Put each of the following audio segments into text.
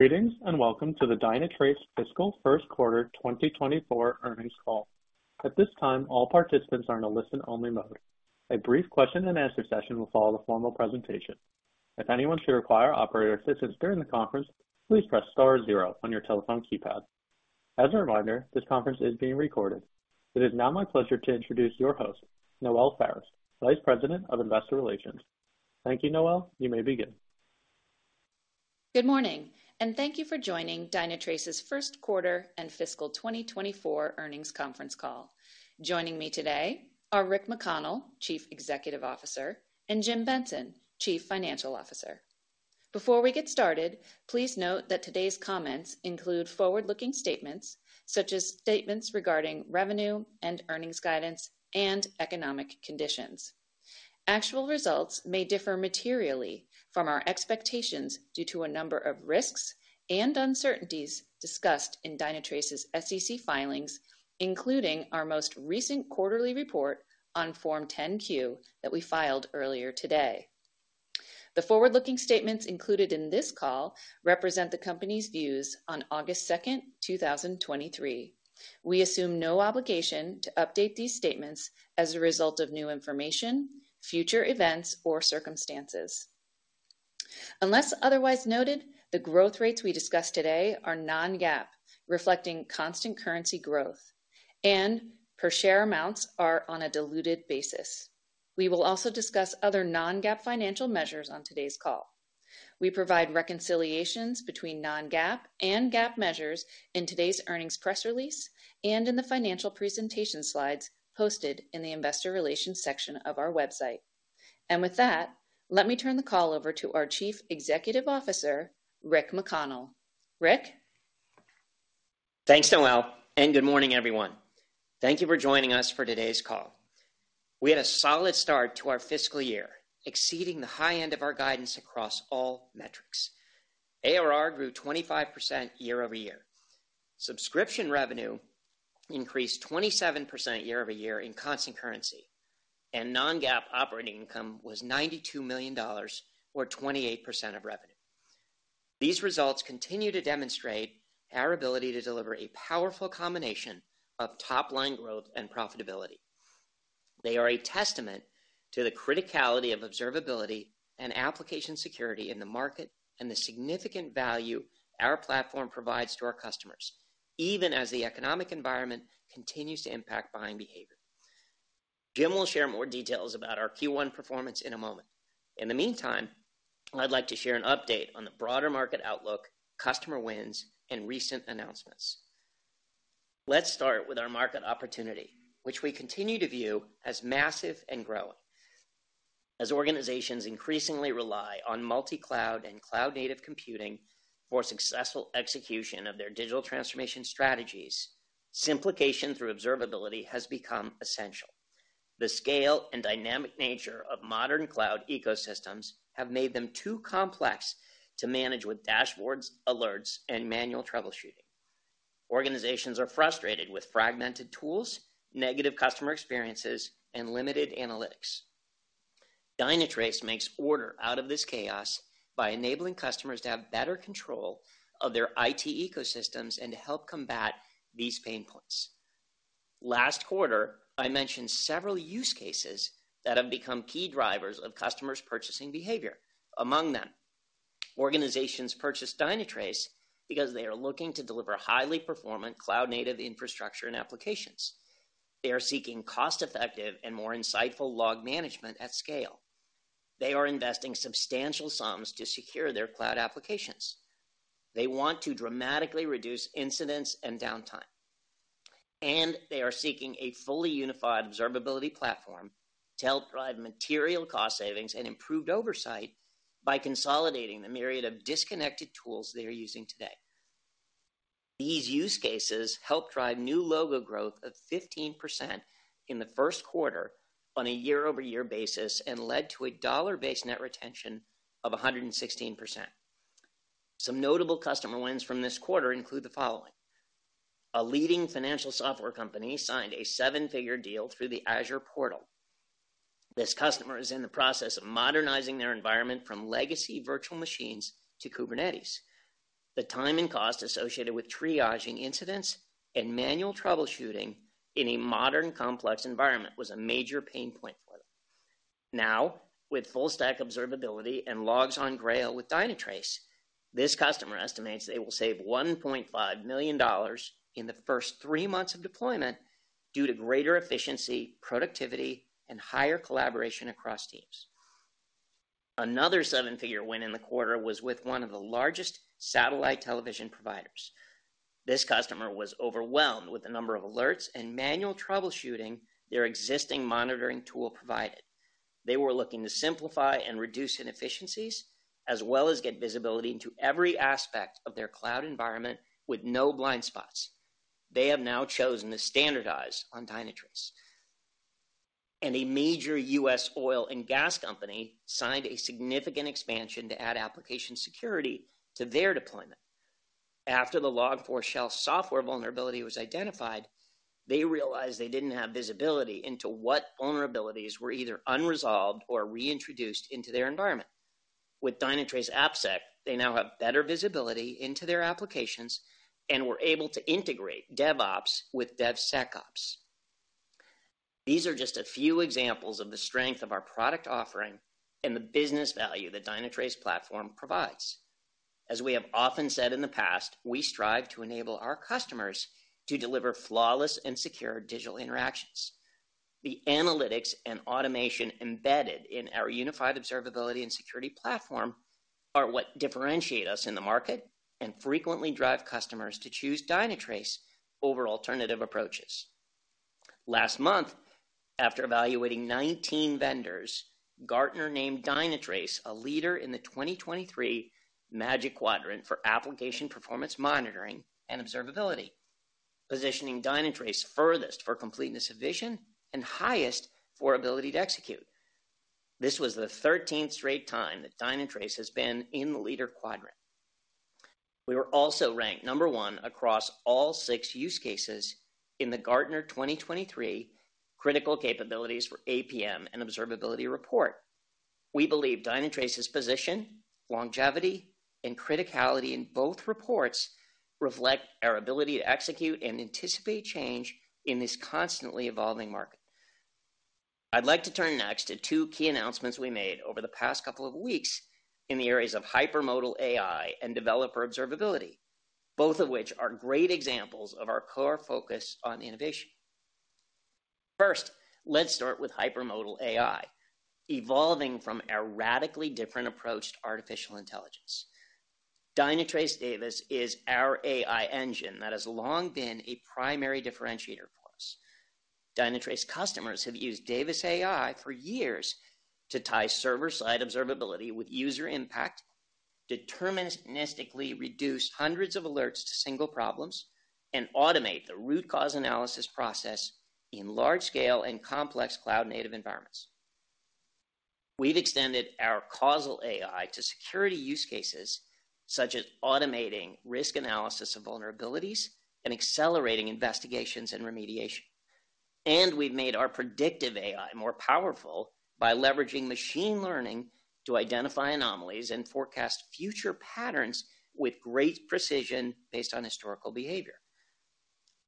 Greetings, and welcome to the Dynatrace Fiscal Q1 2024 Earnings Call. At this time, all participants are in a listen-only mode. A brief question and answer session will follow the formal presentation. If anyone should require operator assistance during the conference, please press star zero on your telephone keypad. As a reminder, this conference is being recorded. It is now my pleasure to introduce your host, Noelle Buford, Vice President of Investor Relations. Thank you, Noelle. You may begin. Good morning, and thank you for joining Dynatrace's Q1 and Fiscal 2024 Earnings Conference Call. Joining me today are Rick McConnell, Chief Executive Officer, and Jim Benson, Chief Financial Officer. Before we get started, please note that today's comments include forward-looking statements, such as statements regarding revenue and earnings guidance and economic conditions. Actual results may differ materially from our expectations due to a number of risks and uncertainties discussed in Dynatrace's SEC filings, including our most recent quarterly report on Form 10-Q, that we filed earlier today. The forward-looking statements included in this call represent the company's views on August 2, 2023. We assume no obligation to update these statements as a result of new information, future events, or circumstances. Unless otherwise noted, the growth rates we discussed today are non-GAAP, reflecting constant currency growth, and per share amounts are on a diluted basis. We will also discuss other non-GAAP financial measures on today's call. We provide reconciliations between non-GAAP and GAAP measures in today's earnings press release and in the financial presentation slides posted in the investor relations section of our website. With that, let me turn the call over to our Chief Executive Officer, Rick McConnell. Rick? Thanks, Noelle, and good morning, everyone. Thank you for joining us for today's call. We had a solid start to our fiscal year, exceeding the high end of our guidance across all metrics. ARR grew 25% year-over-year. Subscription revenue increased 27% year-over-year in constant currency, and non-GAAP operating income was $92 million or 28% of revenue. These results continue to demonstrate our ability to deliver a powerful combination of top-line growth and profitability. They are a testament to the criticality of observability and Application Security in the market, and the significant value our platform provides to our customers, even as the economic environment continues to impact buying behavior. Jim will share more details about our Q1 performance in a moment. In the meantime, I'd like to share an update on the broader market outlook, customer wins, and recent announcements. Let's start with our market opportunity, which we continue to view as massive and growing. As organizations increasingly rely on multi-cloud and cloud-native computing for successful execution of their digital transformation strategies, simplification through observability has become essential. The scale and dynamic nature of modern cloud ecosystems have made them too complex to manage with dashboards, alerts, and manual troubleshooting. Organizations are frustrated with fragmented tools, negative customer experiences, and limited analytics. Dynatrace makes order out of this chaos by enabling customers to have better control of their IT ecosystems and to help combat these pain points. Last quarter, I mentioned several use cases that have become key drivers of customers' purchasing behavior. Among them, organizations purchase Dynatrace because they are looking to deliver highly performant, cloud-native infrastructure and applications. They are seeking cost-effective and more insightful Log Management at scale. They are investing substantial sums to secure their cloud applications. They want to dramatically reduce incidents and downtime. They are seeking a fully unified observability platform to help drive material cost savings and improved oversight by consolidating the myriad of disconnected tools they are using today. These use cases helped drive new logo growth of 15% in the Q1 on a year-over-year basis and led to a dollar-based net retention of 116%. Some notable customer wins from this quarter include the following: A leading financial software company signed a seven-figure deal through the Azure portal. This customer is in the process of modernizing their environment from legacy virtual machines to Kubernetes. The time and cost associated with triaging incidents and manual troubleshooting in a modern, complex environment was a major pain point for them. With full-stack observability and Logs on Grail with Dynatrace, this customer estimates they will save $1.5 million in the first three months of deployment due to greater efficiency, productivity, and higher collaboration across teams. A seven-figure win in the quarter was with one of the largest satellite television providers. This customer was overwhelmed with the number of alerts and manual troubleshooting their existing monitoring tool provided. They were looking to simplify and reduce inefficiencies, as well as get visibility into every aspect of their cloud environment with no blind spots. They have now chosen to standardize on Dynatrace. A major U.S. oil and gas company signed a significant expansion to add Application Security to their deployment. After the Log4Shell software vulnerability was identified. They realized they didn't have visibility into what vulnerabilities were either unresolved or reintroduced into their environment. With Dynatrace AppSec, they now have better visibility into their applications and were able to integrate DevOps with DevSecOps. These are just a few examples of the strength of our product offering and the business value the Dynatrace platform provides. As we have often said in the past, we strive to enable our customers to deliver flawless and secure digital interactions. The analytics and automation embedded in our unified observability and security platform are what differentiate us in the market and frequently drive customers to choose Dynatrace over alternative approaches. Last month, after evaluating 19 vendors, Gartner named Dynatrace a leader in the 2023 Magic Quadrant for Application Performance Monitoring and Observability, positioning Dynatrace furthest for completeness of vision and highest for ability to execute. This was the 13th straight time that Dynatrace has been in the leader quadrant. We were also ranked number one across all six use cases in the Gartner 2023 Critical Capabilities for APM and Observability Report. We believe Dynatrace's position, longevity, and criticality in both reports reflect our ability to execute and anticipate change in this constantly evolving market. I'd like to turn next to two key announcements we made over the past couple of weeks in the areas of hypermodal AI and developer observability, both of which are great examples of our core focus on innovation. First, let's start with hypermodal AI, evolving from a radically different approach to artificial intelligence. Dynatrace Davis is our AI engine that has long been a primary differentiator for us. Dynatrace customers have used Davis AI for years to tie server-side observability with user impact, deterministically reduce hundreds of alerts to single problems, and automate the root cause analysis process in large scale and complex cloud-native environments. We've extended our causal AI to security use cases, such as automating risk analysis of vulnerabilities and accelerating investigations and remediation. We've made our predictive AI more powerful by leveraging machine learning to identify anomalies and forecast future patterns with great precision based on historical behavior.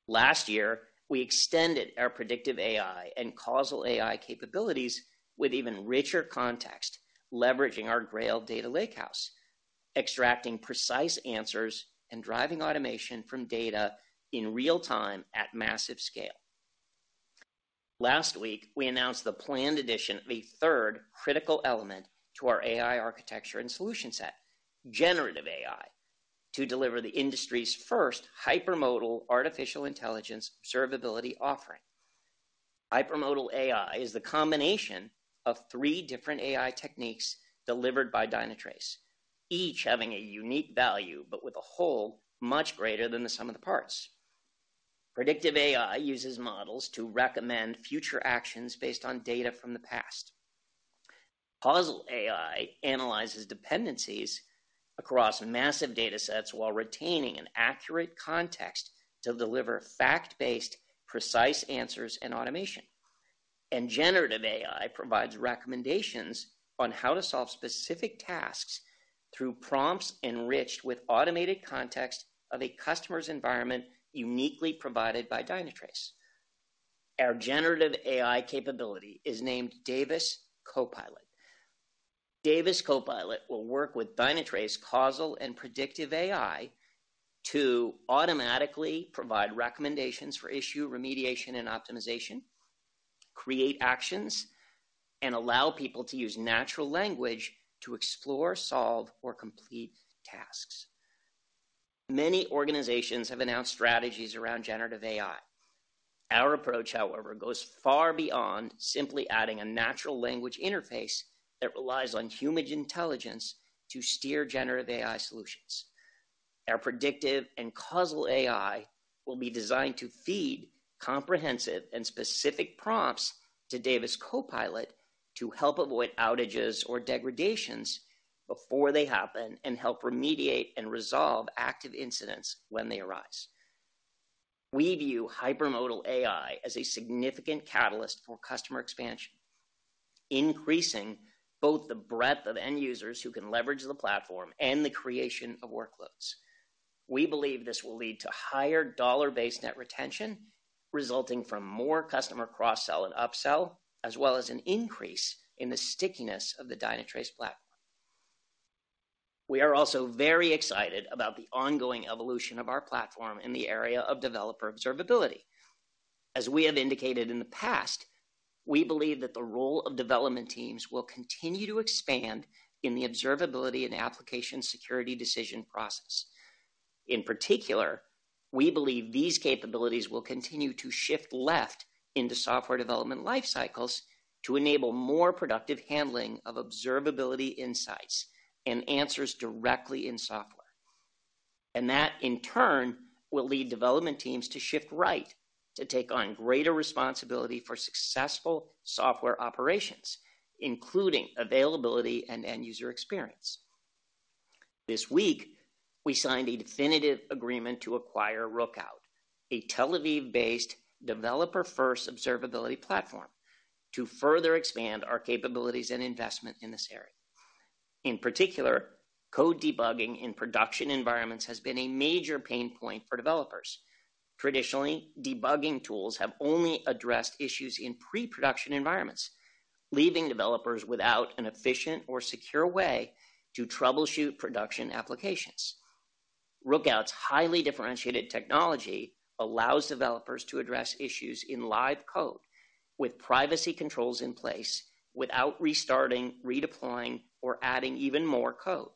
Last year, we extended our predictive AI and causal AI capabilities with even richer context, leveraging our Grail data lakehouse, extracting precise answers and driving automation from data in real time at massive scale. Last week, we announced the planned addition of a third critical element to our AI architecture and solution set, generative AI, to deliver the industry's first hypermodal artificial intelligence observability offering. Hypermodal AI is the combination of three different AI techniques delivered by Dynatrace, each having a unique value, but with a whole much greater than the sum of the parts. Predictive AI uses models to recommend future actions based on data from the past. Causal AI analyzes dependencies across massive datasets while retaining an accurate context to deliver fact-based, precise answers and automation. Generative AI provides recommendations on how to solve specific tasks through prompts enriched with automated context of a customer's environment, uniquely provided by Dynatrace. Our generative AI capability is named Davis CoPilot. Davis CoPilot will work with Dynatrace causal and predictive AI to automatically provide recommendations for issue remediation and optimization, create actions, and allow people to use natural language to explore, solve, or complete tasks. Many organizations have announced strategies around generative AI. Our approach, however, goes far beyond simply adding a natural language interface that relies on human intelligence to steer generative AI solutions. Our predictive and causal AI will be designed to feed comprehensive and specific prompts to Davis CoPilot to help avoid outages or degradations before they happen, and help remediate and resolve active incidents when they arise. We view hypermodal AI as a significant catalyst for customer expansion, increasing both the breadth of end users who can leverage the platform and the creation of workloads. We believe this will lead to higher dollar-based net retention, resulting from more customer cross-sell and upsell, as well as an increase in the stickiness of the Dynatrace platform. We are also very excited about the ongoing evolution of our platform in the area of developer observability. As we have indicated in the past, we believe that the role of development teams will continue to expand in the observability and Application Security decision process. In particular, we believe these capabilities will continue to shift left into software development life cycles to enable more productive handling of observability, insights, and answers directly in software. That, in turn, will lead development teams to shift right to take on greater responsibility for successful software operations, including availability and end-user experience. This week, we signed a definitive agreement to acquire Rookout, a Tel Aviv-based developer-first observability platform, to further expand our capabilities and investment in this area. In particular, code debugging in production environments has been a major pain point for developers. Traditionally, debugging tools have only addressed issues in pre-production environments, leaving developers without an efficient or secure way to troubleshoot production applications. Rookout's highly differentiated technology allows developers to address issues in live code with privacy controls in place, without restarting, redeploying, or adding even more code.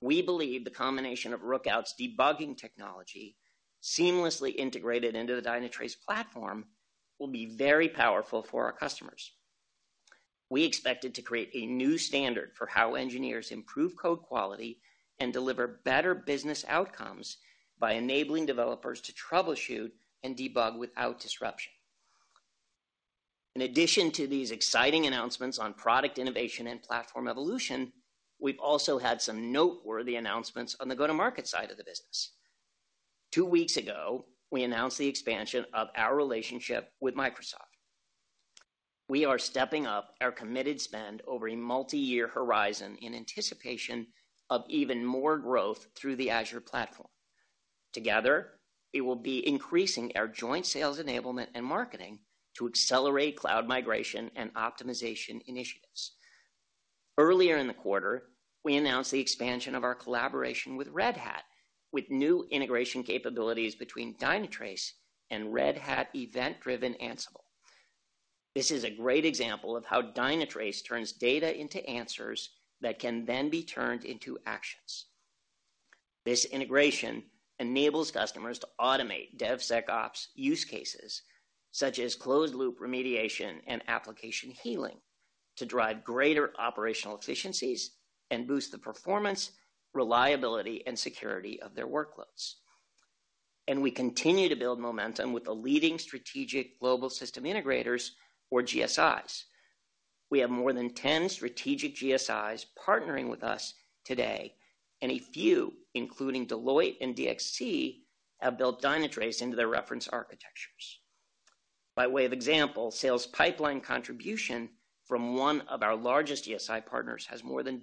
We believe the combination of Rookout's debugging technology seamlessly integrated into the Dynatrace platform will be very powerful for our customers. We expect it to create a new standard for how engineers improve code quality and deliver better business outcomes by enabling developers to troubleshoot and debug without disruption. In addition to these exciting announcements on product innovation and platform evolution, we've also had some noteworthy announcements on the go-to-market side of the business. Two weeks ago, we announced the expansion of our relationship with Microsoft. We are stepping up our committed spend over a multi-year horizon in anticipation of even more growth through the Azure platform. Together, we will be increasing our joint sales enablement and marketing to accelerate cloud migration and optimization initiatives. Earlier in the quarter, we announced the expansion of our collaboration with Red Hat, with new integration capabilities between Dynatrace and Red Hat Event-Driven Ansible. This is a great example of how Dynatrace turns data into answers that can then be turned into actions. This integration enables customers to automate DevSecOps use cases, such as closed-loop remediation and application healing, to drive greater operational efficiencies and boost the performance, reliability, and security of their workloads. We continue to build momentum with the leading strategic global system integrators or GSIs. We have more than 10 strategic GSIs partnering with us today, and a few, including Deloitte and DXC, have built Dynatrace into their reference architectures. By way of example, sales pipeline contribution from one of our largest GSI partners has more than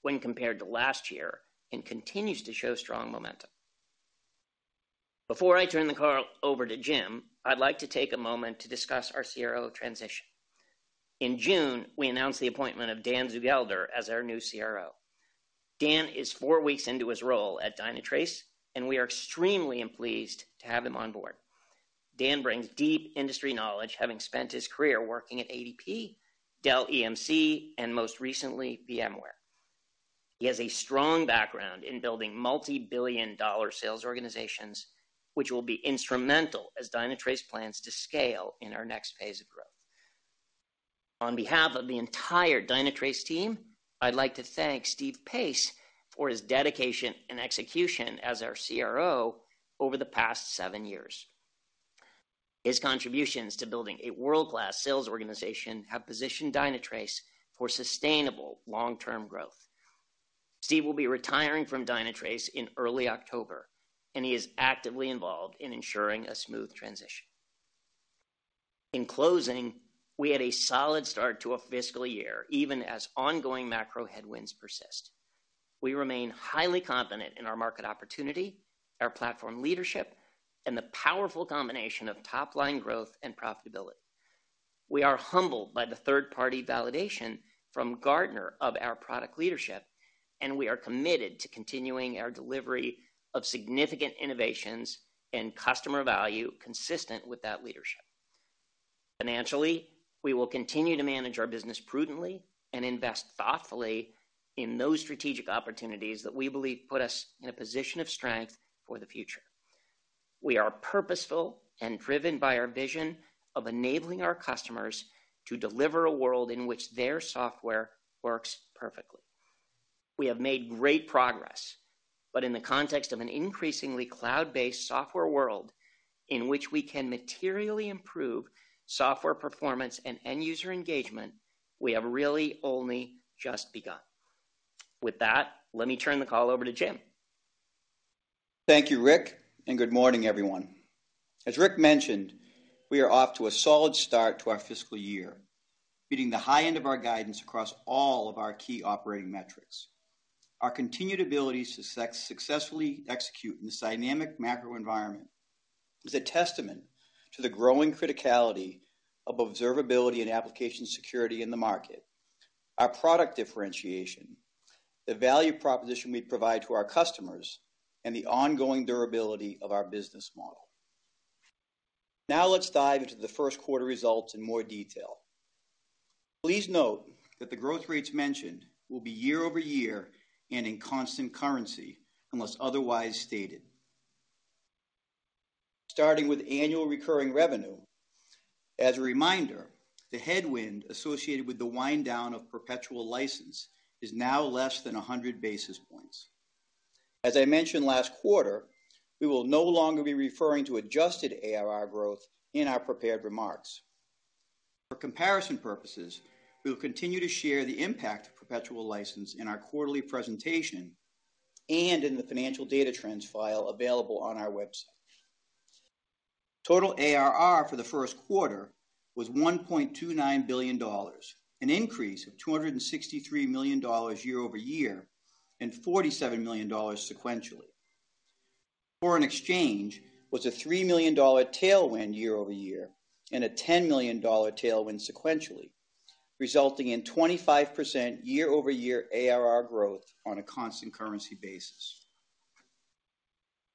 doubled when compared to last year and continues to show strong momentum. Before I turn the call over to Jim, I'd like to take a moment to discuss our CRO transition. In June, we announced the appointment of Dan Zugelder as our new CRO. Dan is four weeks into his role at Dynatrace, and we are extremely pleased to have him on board. Dan brings deep industry knowledge, having spent his career working at ADP, Dell EMC, and most recently, VMware. He has a strong background in building multi-billion dollar sales organizations, which will be instrumental as Dynatrace plans to scale in our next phase of growth. On behalf of the entire Dynatrace team, I'd like to thank Steve Pace for his dedication and execution as our CRO over the past seven years. His contributions to building a world-class sales organization have positioned Dynatrace for sustainable long-term growth. Steve will be retiring from Dynatrace in early October, and he is actively involved in ensuring a smooth transition. In closing, we had a solid start to our fiscal year, even as ongoing macro headwinds persist. We remain highly confident in our market opportunity, our platform leadership, and the powerful combination of top-line growth and profitability. We are humbled by the third-party validation from Gartner of our product leadership, and we are committed to continuing our delivery of significant innovations and customer value consistent with that leadership. Financially, we will continue to manage our business prudently and invest thoughtfully in those strategic opportunities that we believe put us in a position of strength for the future. We are purposeful and driven by our vision of enabling our customers to deliver a world in which their software works perfectly. We have made great progress, but in the context of an increasingly cloud-based software world in which we can materially improve software performance and end-user engagement, we have really only just begun. With that, let me turn the call over to Jim. Thank you, Rick, and good morning, everyone. As Rick mentioned, we are off to a solid start to our fiscal year, beating the high end of our guidance across all of our key operating metrics. Our continued ability to successfully execute in this dynamic macro environment is a testament to the growing criticality of observability and Application Security in the market, our product differentiation, the value proposition we provide to our customers, and the ongoing durability of our business model. Let's dive into the Q1 results in more detail. Please note that the growth rates mentioned will be year-over-year and in constant currency, unless otherwise stated. Starting with annual recurring revenue. As a reminder, the headwind associated with the wind down of perpetual license is now less than 100 basis points. As I mentioned last quarter, we will no longer be referring to adjusted ARR growth in our prepared remarks. For comparison purposes, we will continue to share the impact of perpetual license in our quarterly presentation and in the financial data trends file available on our website. Total ARR for the first quarter was $1.29 billion, an increase of $263 million year-over-year, and $47 million sequentially. Foreign exchange was a $3 million tailwind year-over-year and a $10 million tailwind sequentially, resulting in 25% year-over-year ARR growth on a constant currency basis.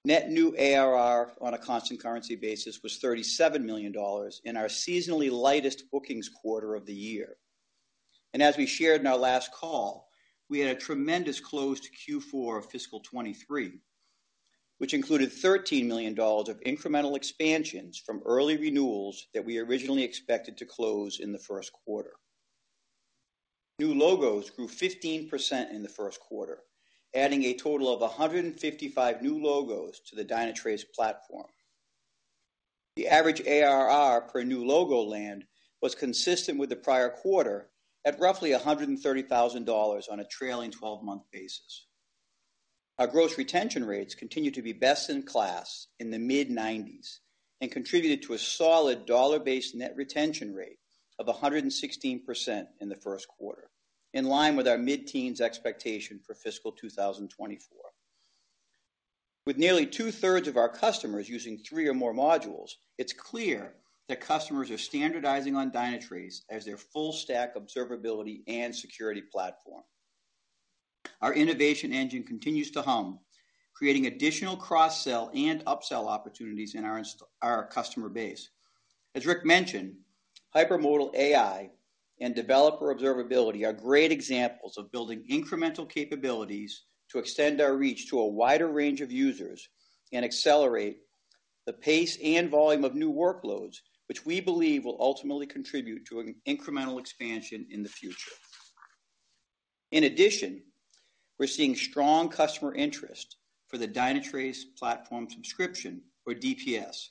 Net new ARR on a constant currency basis was $37 million in our seasonally lightest bookings quarter of the year. As we shared in our last call, we had a tremendous close to Q4 of fiscal 2023, which included $13 million of incremental expansions from early renewals that we originally expected to close in the Q1. New logos grew 15% in the Q1, adding a total of 155 new logos to the Dynatrace platform. The average ARR per new logo land was consistent with the prior quarter at roughly $130,000 on a trailing 12-month basis. Our gross retention rates continue to be best in class in the mid-90s and contributed to a solid dollar-based net retention rate of 116% in the Q1, in line with our mid-teens expectation for fiscal 2024. With nearly two-thirds of our customers using three or more modules, it's clear that customers are standardizing on Dynatrace as their full stack, observability, and security platform. Our innovation engine continues to hum, creating additional cross-sell and upsell opportunities in our customer base. As Rick mentioned, hypermodal AI and developer observability are great examples of building incremental capabilities to extend our reach to a wider range of users and accelerate the pace and volume of new workloads, which we believe will ultimately contribute to an incremental expansion in the future. In addition, we're seeing strong customer interest for the Dynatrace Platform Subscription, or DPS,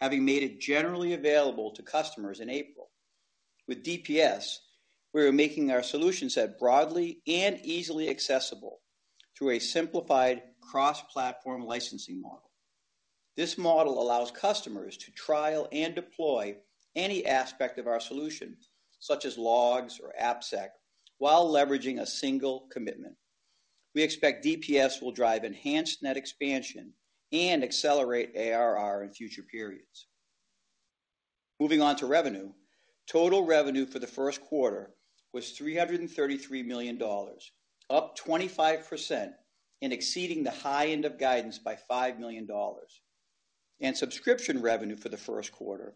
having made it generally available to customers in April. With DPS, we are making our solution set broadly and easily accessible through a simplified cross-platform licensing model. This model allows customers to trial and deploy any aspect of our solution, such as logs or AppSec, while leveraging a single commitment. We expect DPS will drive enhanced net expansion and accelerate ARR in future periods. Moving on to revenue. Total revenue for the Q1 was $333 million, up 25% and exceeding the high end of guidance by $5 million. Subscription revenue for the Q1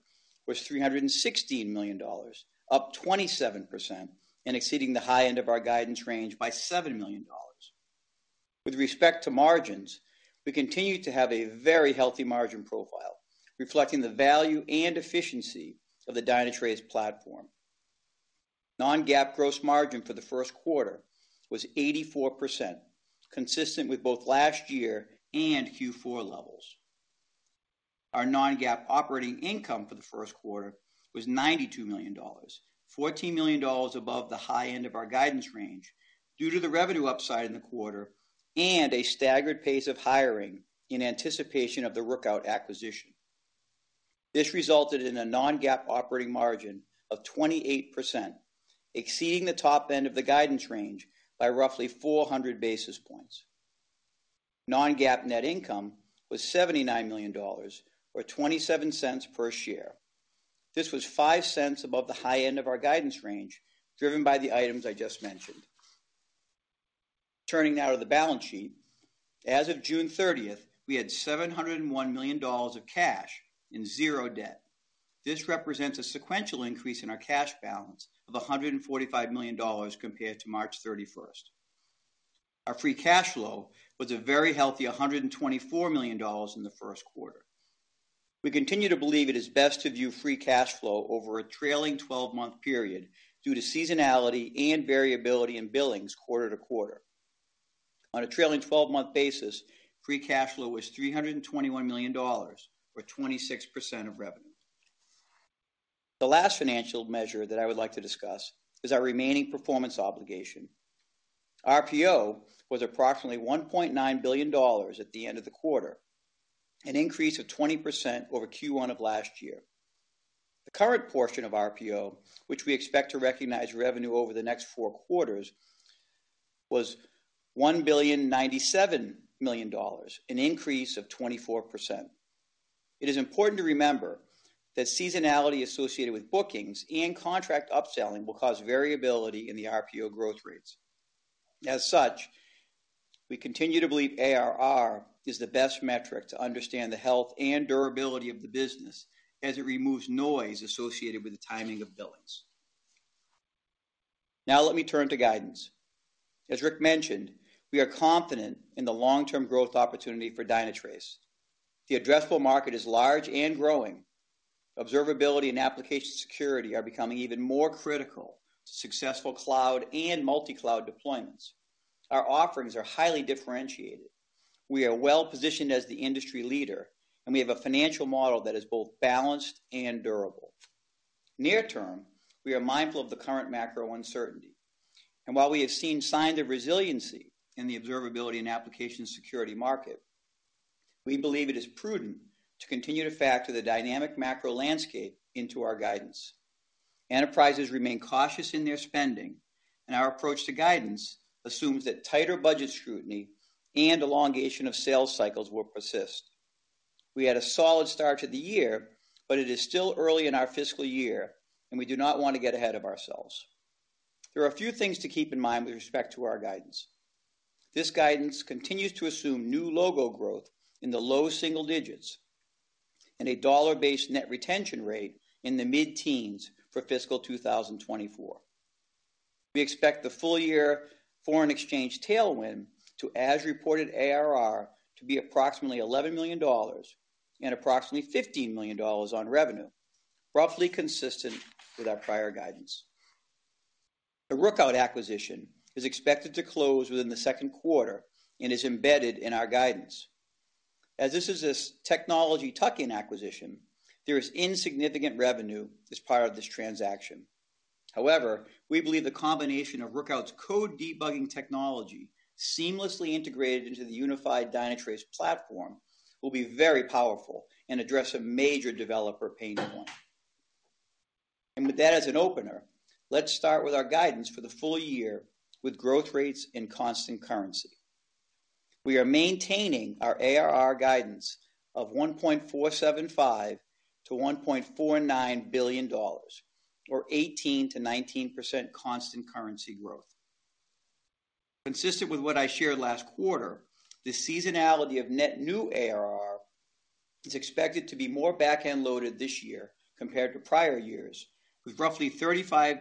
was $316 million, up 27% and exceeding the high end of our guidance range by $7 million. With respect to margins, we continue to have a very healthy margin profile, reflecting the value and efficiency of the Dynatrace platform. non-GAAP gross margin for the first quarter was 84%, consistent with both last year and Q4 levels. Our non-GAAP operating income for the Q1 was $92 million, $14 million above the high end of our guidance range due to the revenue upside in the quarter and a staggered pace of hiring in anticipation of the Rookout acquisition. This resulted in a non-GAAP operating margin of 28%, exceeding the top end of the guidance range by roughly 400 basis points. Non-GAAP net income was $79 million or $0.27 per share. This was $0.05 above the high end of our guidance range, driven by the items I just mentioned. Turning now to the balance sheet. As of June 30th, we had $701 million of cash and zero debt. This represents a sequential increase in our cash balance of $145 million compared to March 31st. Our free cash flow was a very healthy $124 million in the Q1. We continue to believe it is best to view free cash flow over a trailing 12-month period due to seasonality and variability in billings quarter to quarter. On a trailing 12-month basis, free cash flow was $321 million, or 26% of revenue. The last financial measure that I would like to discuss is our remaining performance obligation. RPO was approximately $1.9 billion at the end of the quarter, an increase of 20% over Q1 of last year. The current portion of RPO, which we expect to recognize revenue over the next four quarters, was $1.097 billion, an increase of 24%. It is important to remember that seasonality associated with bookings and contract upselling will cause variability in the RPO growth rates. As such, we continue to believe ARR is the best metric to understand the health and durability of the business as it removes noise associated with the timing of billings. Now let me turn to guidance. As Rick mentioned, we are confident in the long-term growth opportunity for Dynatrace. The addressable market is large and growing. Observability and Application Security are becoming even more critical to successful cloud and multi-cloud deployments. Our offerings are highly differentiated. We are well-positioned as the industry leader, and we have a financial model that is both balanced and durable. Near term, we are mindful of the current macro uncertainty, and while we have seen signs of resiliency in the observability and Application Security market, we believe it is prudent to continue to factor the dynamic macro landscape into our guidance. Enterprises remain cautious in their spending, and our approach to guidance assumes that tighter budget scrutiny and elongation of sales cycles will persist. We had a solid start to the year, but it is still early in our fiscal year, and we do not want to get ahead of ourselves. There are a few things to keep in mind with respect to our guidance. This guidance continues to assume new logo growth in the low single digits and a dollar-based net retention rate in the mid-teens for fiscal 2024. We expect the full year foreign exchange tailwind to as-reported ARR to be approximately $11 million and approximately $15 million on revenue, roughly consistent with our prior guidance. The Rookout acquisition is expected to close within the Q2 and is embedded in our guidance. As this is a technology tuck-in acquisition, there is insignificant revenue as part of this transaction. However, we believe the combination of Rookout's code debugging technology seamlessly integrated into the unified Dynatrace platform will be very powerful and address a major developer pain point. With that as an opener, let's start with our guidance for the full year with growth rates in constant currency. We are maintaining our ARR guidance of $1.475 billion-$1.49 billion, or 18%-19% constant currency growth. Consistent with what I shared last quarter, the seasonality of net new ARR is expected to be more back-end loaded this year compared to prior years, with roughly 35%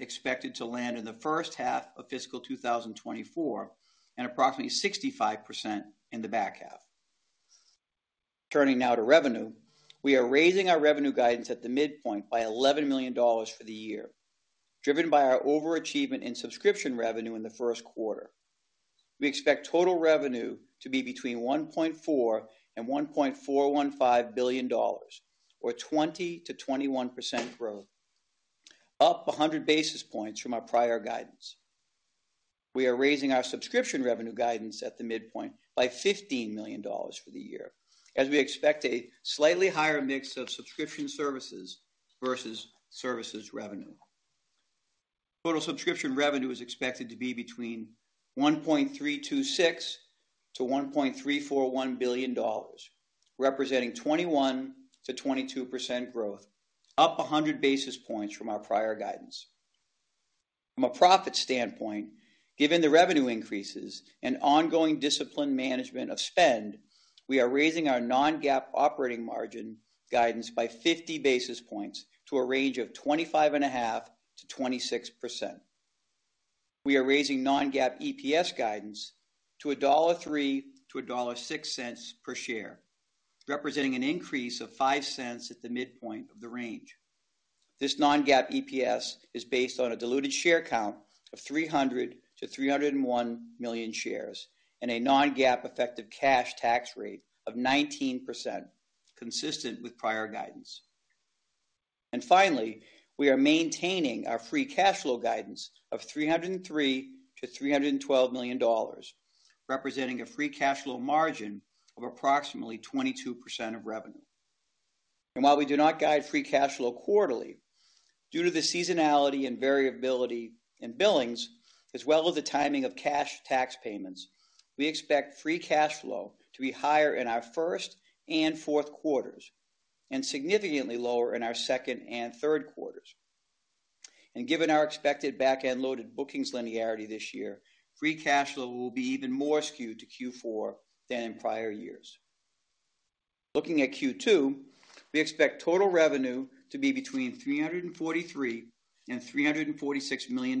expected to land in the first half of fiscal 2024, and approximately 65% in the back half. Turning now to revenue, we are raising our revenue guidance at the midpoint by $11 million for the year, driven by our overachievement in subscription revenue in the Q1. We expect total revenue to be between $1.4 billion-$1.415 billion, or 20%-21% growth, up 100 basis points from our prior guidance. We are raising our subscription revenue guidance at the midpoint by $15 million for the year, as we expect a slightly higher mix of subscription services versus services revenue. Total subscription revenue is expected to be between $1.326 billion-$1.341 billion, representing 21%-22% growth, up 100 basis points from our prior guidance. From a profit standpoint, given the revenue increases and ongoing discipline management of spend, we are raising our non-GAAP operating margin guidance by 50 basis points to a range of 25.5%-26%. We are raising non-GAAP EPS guidance to $1.03-$1.06 per share, representing an increase of $0.05 at the midpoint of the range. This non-GAAP EPS is based on a diluted share count of 300 million-301 million shares, and a non-GAAP effective cash tax rate of 19%, consistent with prior guidance. Finally, we are maintaining our free cash flow guidance of $303 million-$312 million, representing a free cash flow margin of approximately 22% of revenue. While we do not guide free cash flow quarterly, due to the seasonality and variability in billings, as well as the timing of cash tax payments, we expect free cash flow to be higher in our first and fourth quarters, and significantly lower in our second and third quarters. Given our expected back-end loaded bookings linearity this year, free cash flow will be even more skewed to Q4 than in prior years. Looking at Q2, we expect total revenue to be between $343 million and $346 million,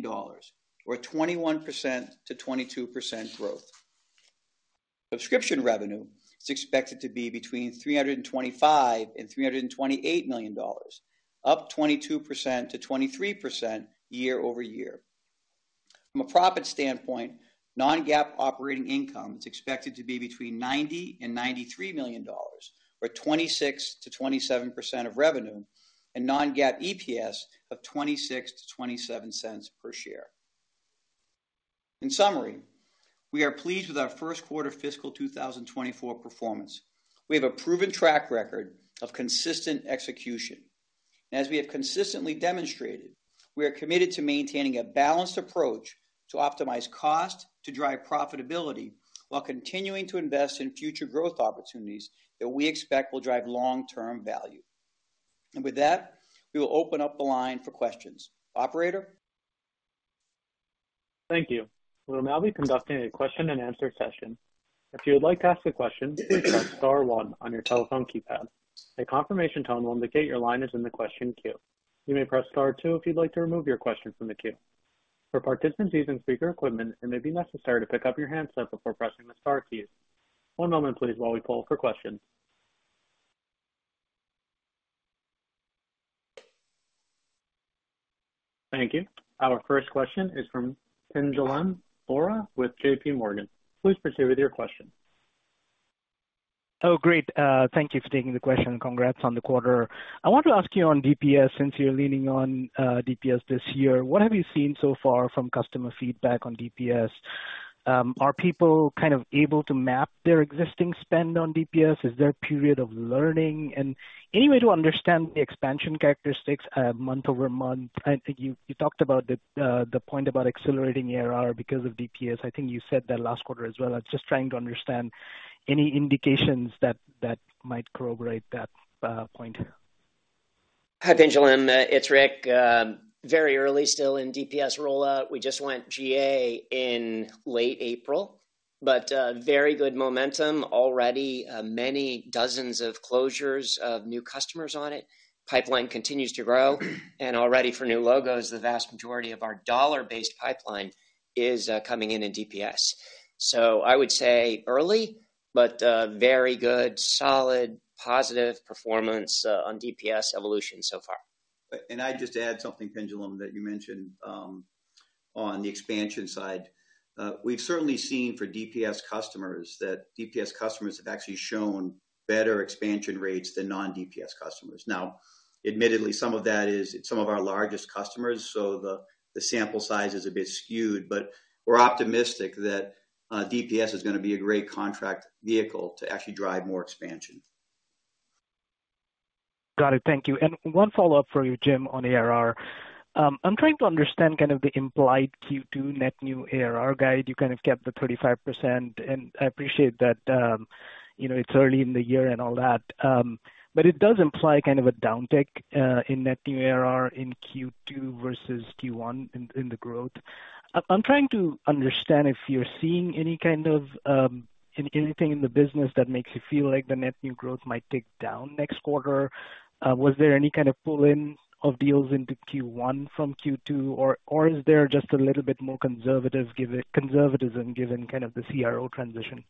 or 21%-22% growth. Subscription revenue is expected to be between $325 million and $328 million, up 22%-23% year-over-year. From a profit standpoint, non-GAAP operating income is expected to be between $90 million and $93 million, or 26%-27% of revenue, and non-GAAP EPS of $0.26-$0.27 per share. In summary, we are pleased with our Q1 fiscal 2024 performance. We have a proven track record of consistent execution. As we have consistently demonstrated, we are committed to maintaining a balanced approach to optimize cost, to drive profitability, while continuing to invest in future growth opportunities that we expect will drive long-term value. With that, we will open up the line for questions. Operator? Thank you. We will now be conducting a question-and-answer session. If you would like to ask a question, please press star one on your telephone keypad. A confirmation tone will indicate your line is in the question queue. You may press star two if you'd like to remove your question from the queue. For participants using speaker equipment, it may be necessary to pick up your handset before pressing the star key. One moment, please, while we poll for questions. Thank you. Our first question is from Pinjalim Bora with JPMorgan. Please proceed with your question. Oh, great. Thank you for taking the question, congrats on the quarter. I want to ask you on DPS, since you're leaning on DPS this year, what have you seen so far from customer feedback on DPS? Are people kind of able to map their existing spend on DPS? Is there a period of learning? Any way to understand the expansion characteristics, month-over-month? I think you, you talked about the point about accelerating ARR because of DPS. I think you said that last quarter as well. I was just trying to understand any indications that, that might corroborate that point. Hi, Pinjalim. It's Rick. Very early, still in DPS rollout. We just went GA in late April, but very good momentum already. Many dozens of closures of new customers on it. Pipeline continues to grow, and already for new logos, the vast majority of our dollar-based pipeline is coming in in DPS. I would say early, but very good, solid, positive performance on DPS evolution so far. I'd just add something, Pinjalim, that you mentioned on the expansion side. We've certainly seen for DPS customers that DPS customers have actually shown better expansion rates than non-DPS customers. Now, admittedly, some of that is some of our largest customers, so the, the sample size is a bit skewed, but we're optimistic that DPS is gonna be a great contract vehicle to actually drive more expansion. Got it. Thank you. One follow-up for you, Jim, on ARR. I'm trying to understand kind of the implied Q2 net new ARR guide. You kind of kept the 35%, and I appreciate that, you know, it's early in the year and all that, but it does imply kind of a downtick in net new ARR in Q2 versus Q1 in, in the growth. I'm trying to understand if you're seeing any kind of anything in the business that makes you feel like the net new growth might tick down next quarter. Was there any kind of pull-in of deals into Q1 from Q2, or is there just a little bit more conservative given conservatism, given kind of the CRO transition?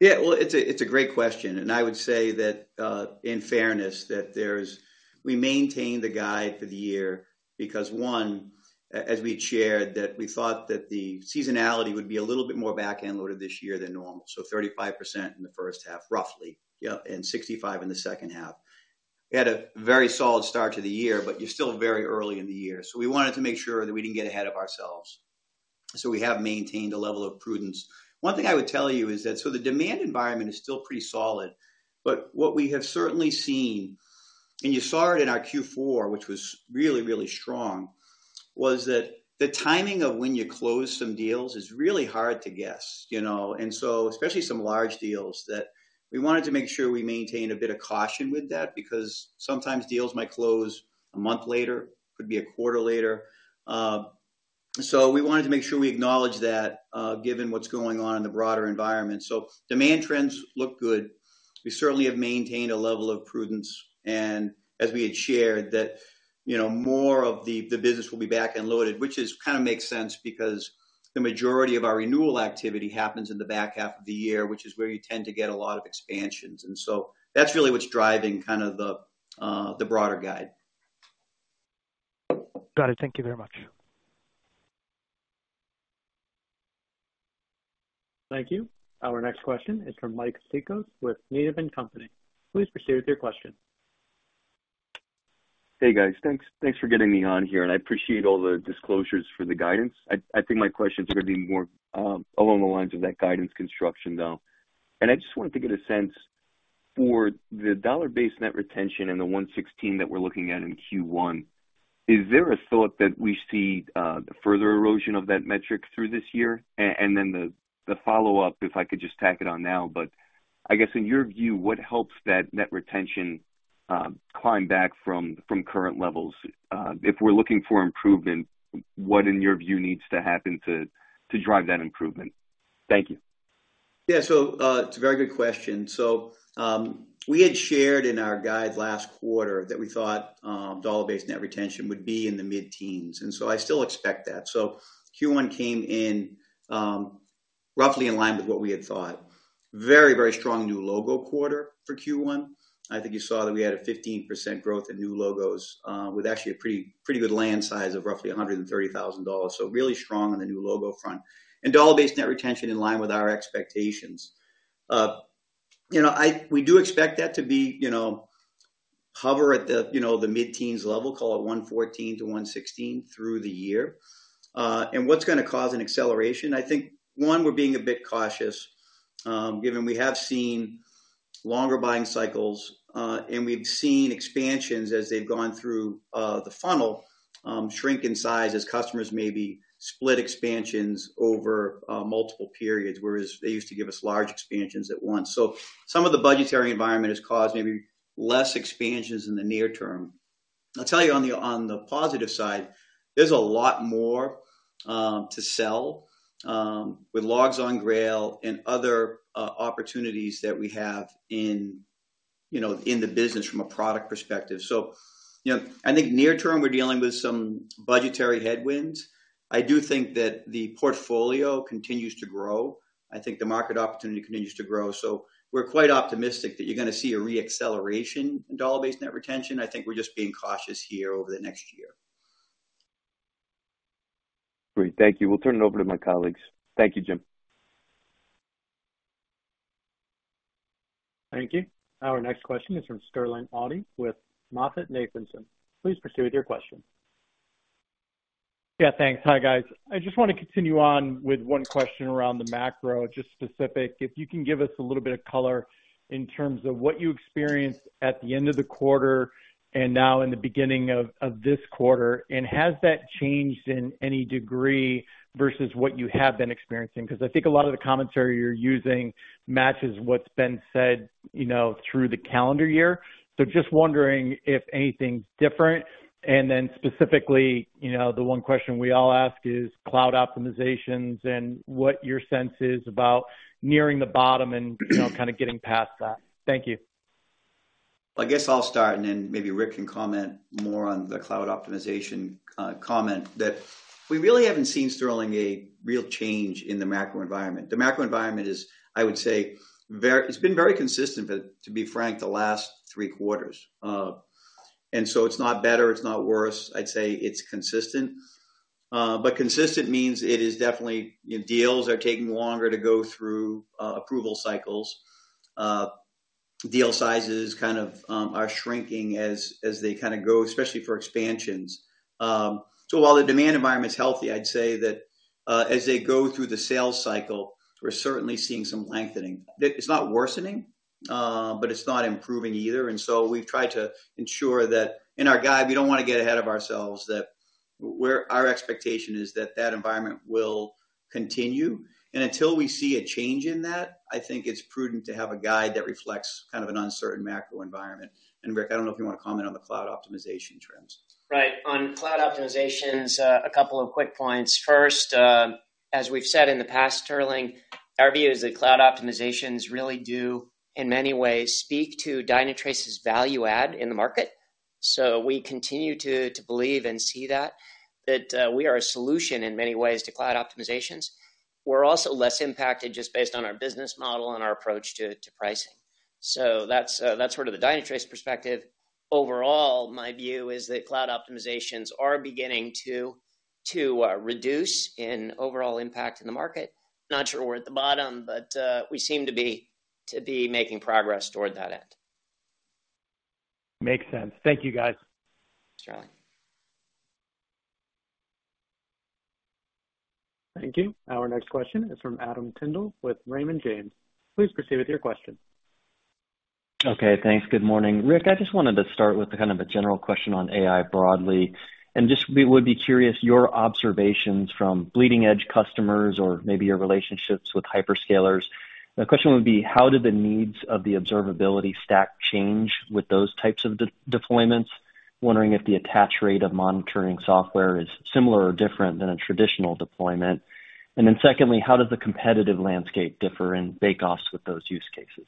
Yeah, well, it's a, it's a great question, and I would say that, in fairness, that there's... We maintained the guide for the year, because, one, as we had shared, that we thought that the seasonality would be a little bit more back-end loaded this year than normal. 35% in the first half, roughly, yep, and 65% in the second half. We had a very solid start to the year, but you're still very early in the year, so we wanted to make sure that we didn't get ahead of ourselves, so we have maintained a level of prudence. One thing I would tell you is that, the demand environment is still pretty solid, but what we have certainly seen, and you saw it in our Q4, which was really, really strong, was that the timing of when you close some deals is really hard to guess, you know? Especially some large deals, that we wanted to make sure we maintain a bit of caution with that, because sometimes deals might close a month later, could be a quarter later. We wanted to make sure we acknowledge that, given what's going on in the broader environment. Demand trends look good. We certainly have maintained a level of prudence, and as we had shared, that, you know, more of the, the business will be back and loaded, which is, kind of makes sense because the majority of our renewal activity happens in the back half of the year, which is where you tend to get a lot of expansions. That's really what's driving kind of the broader guide. Got it. Thank you very much. Thank you. Our next question is from Mike Cikos, with Needham & Company. Please proceed with your question. Hey, guys. Thanks, thanks for getting me on here, and I appreciate all the disclosures for the guidance. I think my questions are gonna be more along the lines of that guidance construction, though. I just wanted to get a sense for the dollar-based net retention and the 116 that we're looking at in Q1. Is there a thought that we see the further erosion of that metric through this year? Then the follow-up, if I could just tack it on now, but I guess in your view, what helps that net retention climb back from, from current levels? If we're looking for improvement, what, in your view, needs to happen to, to drive that improvement? Thank you. Yeah, it's a very good question. We had shared in our guide last quarter that we thought dollar-based net retention would be in the mid-teens, and I still expect that. Q1 came in roughly in line with what we had thought. Very, very strong new logo quarter for Q1. I think you saw that we had a 15% growth in new logos, with actually a pretty, pretty good land size of roughly $130,000. Really strong on the new logo front, and dollar-based net retention in line with our expectations. You know, we do expect that to be, you know, hover at the, you know, the mid-teens level, call it 114 to 116 through the year. And what's gonna cause an acceleration? I think, one, we're being a bit cautious, given we have seen longer buying cycles, and we've seen expansions as they've gone through the funnel, shrink in size as customers maybe split expansions over multiple periods, whereas they used to give us large expansions at once. Some of the budgetary environment has caused maybe less expansions in the near term. I'll tell you on the, on the positive side, there's a lot more to sell, with logs on Grail and other opportunities that we have in, you know, in the business from a product perspective. You know, I think near term, we're dealing with some budgetary headwinds. I do think that the portfolio continues to grow. I think the market opportunity continues to grow, so we're quite optimistic that you're gonna see a reacceleration in dollar-based net retention. I think we're just being cautious here over the next year. Great. Thank you. We'll turn it over to my colleagues. Thank you, Jim. Thank you. Our next question is from Sterling Auty with MoffettNathanson. Please proceed with your question. Yeah, thanks. Hi, guys. I just want to continue on with one question around the macro. Just specific, if you can give us a little bit of color in terms of what you experienced at the end of the quarter and now in the beginning of this quarter, has that changed in any degree versus what you have been experiencing? I think a lot of the commentary you're using matches what's been said, you know, through the calendar year. Just wondering if anything's different. Then specifically, you know, the one question we all ask is cloud optimizations and what your sense is about nearing the bottom and, you know, kind of getting past that. Thank you. I guess I'll start, and then maybe Rick can comment more on the cloud optimization comment. That we really haven't seen, Sterling, a real change in the macro environment. The macro environment is, I would say, very it's been very consistent, but to be frank, the last three quarters. It's not better, it's not worse. I'd say it's consistent. Consistent means it is definitely, you know, deals are taking longer to go through approval cycles. Deal sizes kind of are shrinking as, as they kinda go, especially for expansions. While the demand environment is healthy, I'd say that as they go through the sales cycle, we're certainly seeing some lengthening. It's not worsening, but it's not improving either, and so we've tried to ensure that in our guide, we don't wanna get ahead of ourselves, that where our expectation is that that environment will continue. Until we see a change in that, I think it's prudent to have a guide that reflects kind of an uncertain macro environment. Rick, I don't know if you want to comment on the cloud optimization trends. Right. On cloud optimizations, a couple of quick points. First, as we've said in the past, Sterling, our view is that cloud optimizations really do, in many ways, speak to Dynatrace's value add in the market. We continue to, to believe and see that, that, we are a solution in many ways to cloud optimizations. We're also less impacted just based on our business model and our approach to, to pricing. That's, that's sort of the Dynatrace perspective. Overall, my view is that cloud optimizations are beginning to, to, reduce in overall impact in the market. Not sure we're at the bottom, but, we seem to be, to be making progress toward that end. Makes sense. Thank you, guys. Sure. Thank you. Our next question is from Adam Tindle with Raymond James. Please proceed with your question. Okay, thanks. Good morning. Rick, I just wanted to start with kind of a general question on AI broadly, and just we would be curious, your observations from bleeding-edge customers or maybe your relationships with hyperscalers. The question would be: How do the needs of the observability stack change with those types of deployments? Wondering if the attach rate of monitoring software is similar or different than a traditional deployment. Then secondly, how does the competitive landscape differ in bake-offs with those use cases?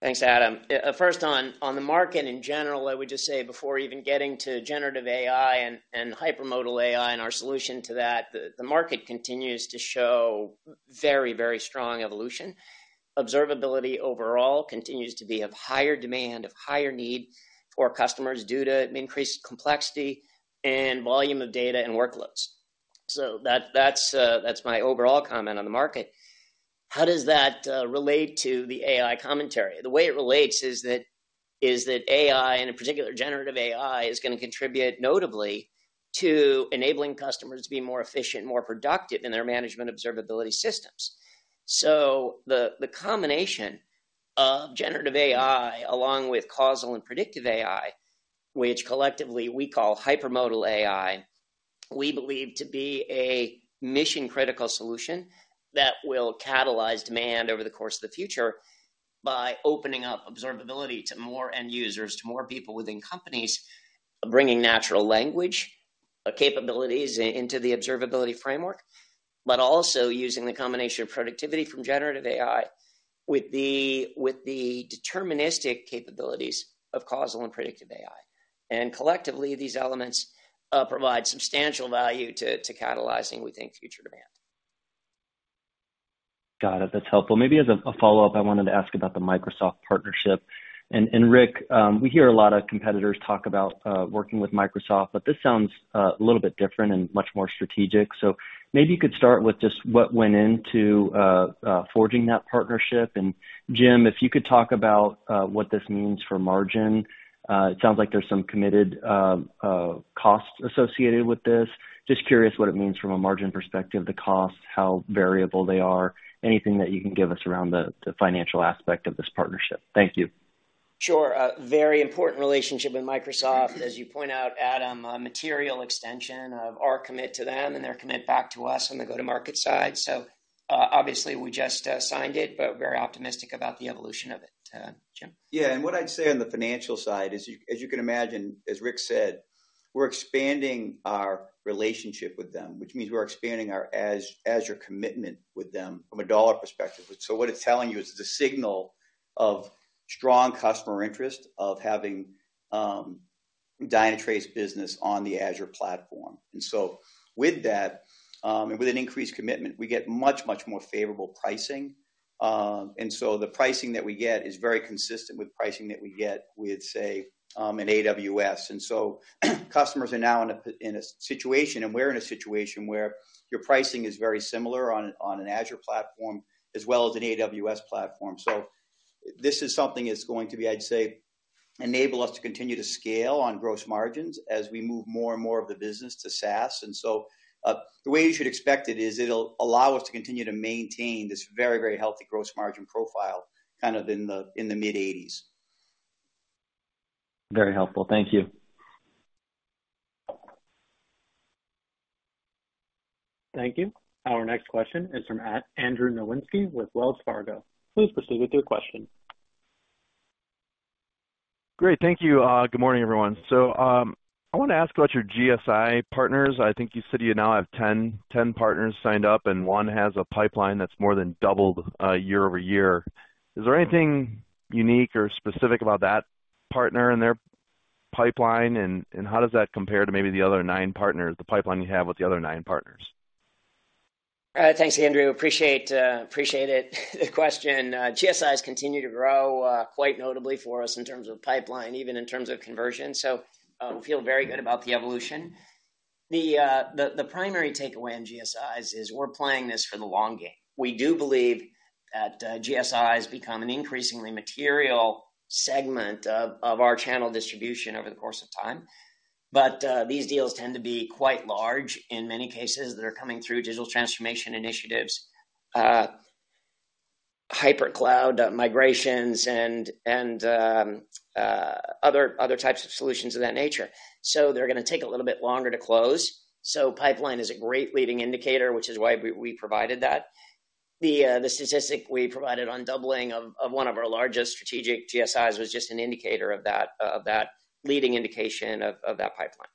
Thanks, Adam. First on, on the market in general, I would just say before even getting to generative AI and hypermodal AI and our solution to that, the market continues to show very, very strong evolution. Observability overall continues to be of higher demand, of higher need for customers due to increased complexity and volume of data and workloads. That's my overall comment on the market. How does that relate to the AI commentary? The way it relates is that AI, and in particular, generative AI, is gonna contribute notably to enabling customers to be more efficient and more productive in their management observability systems. The, the combination of generative AI along with causal and predictive AI, which collectively we call hypermodal AI, we believe to be a mission-critical solution that will catalyze demand over the course of the future by opening up observability to more end users, to more people within companies, bringing natural language capabilities into the observability framework, but also using the combination of productivity from generative AI with the, with the deterministic capabilities of causal and predictive AI. Collectively, these elements provide substantial value to catalyzing, we think, future demand. Got it. That's helpful. Maybe as a follow-up, I wanted to ask about the Microsoft partnership. Rick, we hear a lot of competitors talk about, working with Microsoft, but this sounds a little bit different and much more strategic. Maybe you could start with just what went into, forging that partnership. Jim, if you could talk about, what this means for margin. It sounds like there's some committed, costs associated with this. Just curious what it means from a margin perspective, the costs, how variable they are, anything that you can give us around the, the financial aspect of this partnership. Thank you. Sure. A very important relationship with Microsoft, as you point out, Adam, a material extension of our commit to them and their commit back to us on the go-to-market side. Obviously, we just signed it, but very optimistic about the evolution of it. Jim? Yeah, and what I'd say on the financial side is, as you can imagine, as Rick said, we're expanding our relationship with them, which means we're expanding our Azure, Azure commitment with them from a dollar perspective. So with that, and with an increased commitment, we get much, much more favorable pricing. The pricing that we get is very consistent with pricing that we get with, say, an AWS. Customers are now in a situation, and we're in a situation where your pricing is very similar on an Azure platform as well as an AWS platform. This is something that's going to be, I'd say, enable us to continue to scale on gross margins as we move more and more of the business to SaaS. The way you should expect it is, it'll allow us to continue to maintain this very, very healthy gross margin profile, kind of in the mid-eighties. Very helpful. Thank you. Thank you. Our next question is from Andrew Nowinski with Wells Fargo. Please proceed with your question. Great. Thank you. Good morning, everyone. I want to ask about your GSI partners. I think you said you now have 10, 10 partners signed up, and one has a pipeline that's more than doubled, year-over-year. Is there anything unique or specific about that partner and their pipeline, and how does that compare to maybe the other nine partners, the pipeline you have with the other nine partners? Thanks, Andrew. Appreciate, appreciate it, the question. GSIs continue to grow, quite notably for us in terms of pipeline, even in terms of conversion, so, we feel very good about the evolution. The, the, the primary takeaway in GSIs is we're playing this for the long game. We do believe that, GSI has become an increasingly material segment of our channel distribution over the course of time. These deals tend to be quite large. In many cases, they're coming through digital transformation initiatives, hypercloud, migrations an other types of solutions of that nature. They're gonna take a little bit longer to close. Pipeline is a great leading indicator, which is why we, we provided that. The, statistic we provided on doubling of one of our largest strategic GSIs was just an indicator of that, of that leading indication of that pipeline.